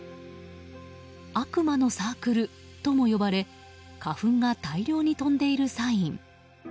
悪魔のサークルとも呼ばれ花粉が大量に飛んでいるサイン。